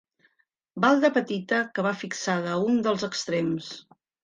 Balda petita que va fixada a un dels extrems.